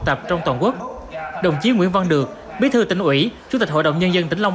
tập trong toàn quốc đồng chí nguyễn văn được bí thư tỉnh ủy chủ tịch hội đồng nhân dân tỉnh long